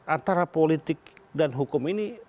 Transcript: antara politik dan hukum ini